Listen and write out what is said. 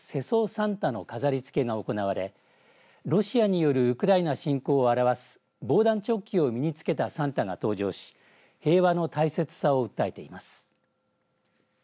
サンタの飾りつけが行われロシアによるウクライナ侵攻を表す防弾チョッキを身につけたサンタが登場し平和の大切さを訴えています。